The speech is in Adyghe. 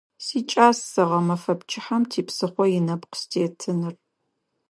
СикӀас сэ гъэмэфэ пчыхьэм типсыхъо инэпкъ сытетыныр.